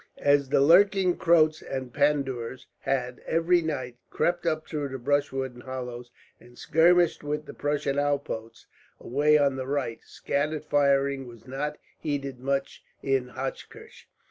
As the lurking Croats and Pandoors had, every night, crept up through the brushwood and hollows, and skirmished with the Prussian outposts away on the right, scattered firing was not heeded much in Hochkirch.